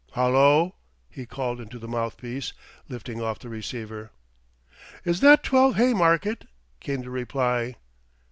"Hullo!" he called into the mouthpiece, lifting off the receiver. "Is that twelve Haymarket?" came the reply.